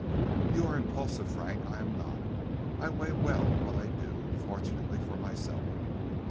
"You are impulsive, Frank, I am not; I weigh well what I do, fortunately for myself."